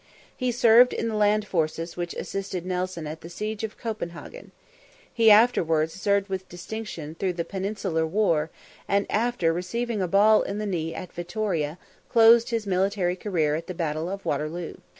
He served in the land forces which assisted Nelson at the siege of Copenhagen. He afterwards served with distinction through the Peninsular war, and, after receiving a ball in the knee at Vittoria, closed his military career at the battle of Waterloo.